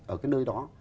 ở cái nơi đó